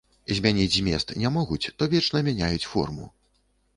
Змяніць змест не могуць, то вечна мяняюць форму.